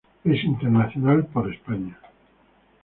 Es internacional por España.